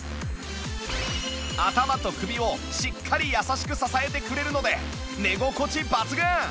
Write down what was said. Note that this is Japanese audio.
頭と首をしっかり優しく支えてくれるので寝心地抜群！